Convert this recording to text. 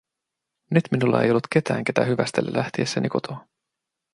Nyt minulla ei ollut ketään, ketä hyvästellä lähtiessäni kotoa.